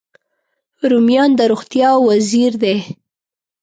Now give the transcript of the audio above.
رومیان د روغتیا وزیر دی